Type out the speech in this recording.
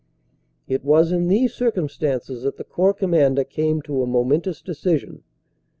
It was in these circumstances that the Corps Commander came to a momentous decision.